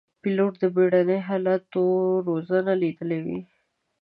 پیلوټ د بېړني حالتونو روزنه لیدلې وي.